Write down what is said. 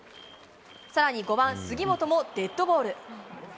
さらに５番杉本もデッドボール。